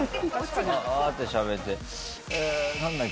わーってしゃべって。